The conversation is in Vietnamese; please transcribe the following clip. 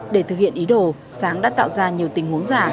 để thực hiện ý đồ sáng đã tạo ra nhiều tình huống giả